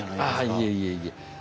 あいえいえいえ。